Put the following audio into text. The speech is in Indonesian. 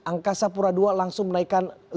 angka sapura ii langsung menaikan lebih dari dua kali